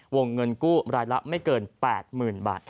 วงเงินกู้รายละไม่เกิน๘๐๐๐บาท